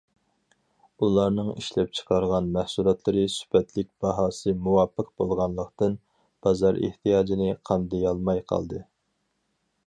ئۇلارنىڭ ئىشلەپچىقارغان مەھسۇلاتلىرى سۈپەتلىك، باھاسى مۇۋاپىق بولغانلىقتىن، بازار ئېھتىياجىنى قامدىيالماي قالدى.